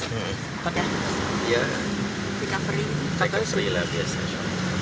iya recovery lah biasanya